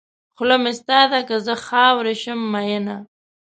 خوله مې ستا ده که زه خاورې شم مینه.